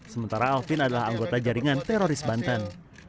sementara alvin adalah anggota jaringan teroris banten